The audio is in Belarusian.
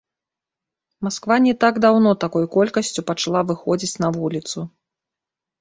Масква не так даўно такой колькасцю пачала выходзіць на вуліцу.